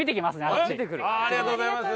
ありがとうございます。